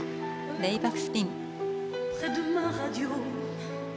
レイバックスピン。